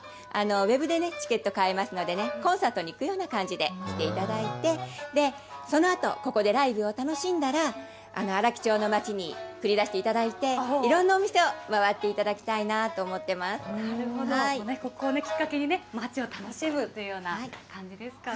ウェブでチケット買えますのでね、コンサートに行くような感じで来ていただいて、そのあと、ここでライブを楽しんだら、荒木町の街に繰り出していただいて、いろんなお店を回っていただきたいなとなるほど、ここをきっかけにね、街を楽しむというような感じですかね。